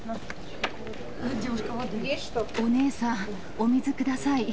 お姉さん、お水下さい。